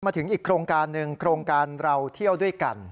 อีกโครงการหนึ่งโครงการเราเที่ยวด้วยกัน